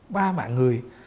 ba mạng người